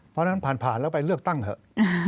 เพราะฉะนั้นผ่านแล้วไปเลือกตั้งเถอะ